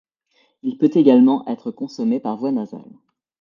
Il peut également être consommé par voie nasale.